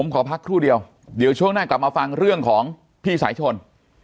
ขอพักครู่เดียวเดี๋ยวช่วงหน้ากลับมาฟังเรื่องของพี่สายชน